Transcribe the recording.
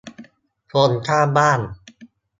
คนข้างบ้าน